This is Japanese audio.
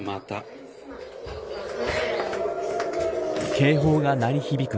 警報が鳴り響く